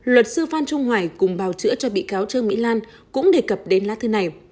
luật sư phan trung hoài cùng bào chữa cho bị cáo trương mỹ lan cũng đề cập đến lá thư này